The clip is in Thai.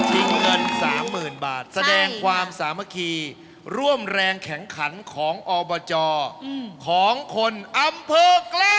ชิงเงิน๓๐๐๐๐บาทแสดงความสามกีร่วมแรงแข็งขันของอบจของคนอำภูกิ์